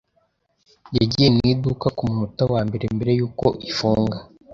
Yagiye mu iduka ku munota wa nyuma, mbere yuko ifunga.